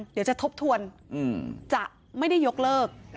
เดี๋ยวจะทบทวนจะไม่ได้ยกเลิก